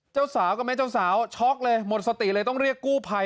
เจ้าสาวกับแม่เจ้าสาวช็อกเลยหมดสติเลยต้องเรียกกู้ภัย